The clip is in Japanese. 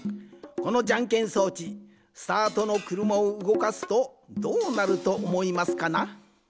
このじゃんけん装置スタートのくるまをうごかすとどうなるとおもいますかな？